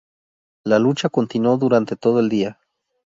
La lucha continuó durante todo el día.